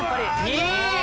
２位！